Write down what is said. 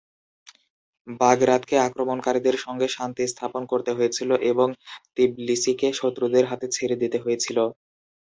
বাগরাতকে আক্রমণকারীদের সঙ্গে শান্তি স্থাপন করতে হয়েছিল এবং তিবলিসিকে শত্রুদের হাতে ছেড়ে দিতে হয়েছিল।